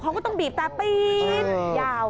เขาก็ต้องบีบแต่ปี๊ดยาว